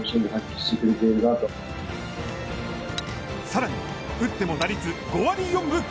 さらに、売っても打率５割４分５厘！